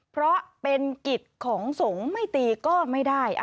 เพราะเป็นกิจของสงฆ์ไม่ตีก็ไม่ได้